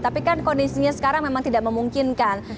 tapi kan kondisinya sekarang memang tidak memungkinkan